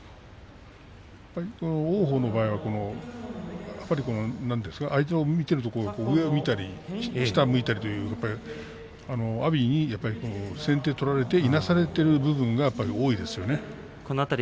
王鵬の場合は見ていると上を向いたり下を向いたり阿炎に先手を取られていなされている部分が多いですね。